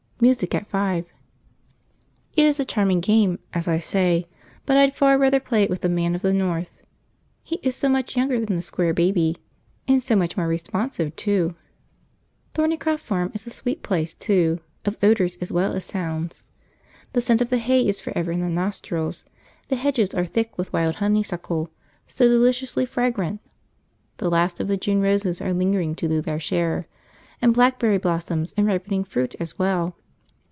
Music at five. It is a charming game, as I say, but I'd far rather play it with the Man of the North; he is so much younger than the Square Baby, and so much more responsive, too. {The scent of the hay: p92.jpg} Thornycroft Farm is a sweet place, too, of odours as well as sounds. The scent of the hay is for ever in the nostrils, the hedges are thick with wild honeysuckle, so deliciously fragrant, the last of the June roses are lingering to do their share, and blackberry blossoms and ripening fruit as well.